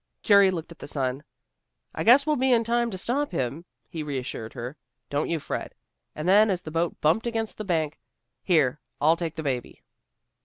Jerry looked at the sun. "I guess we'll be in time to stop him," he reassured her. "Don't you fret." And then, as the boat bumped against the bank, "Here, I'll take the baby."